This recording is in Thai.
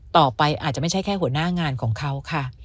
ต่อไปอาจจะไม่ใช่แค่หัวหน้างานของเขาค่ะ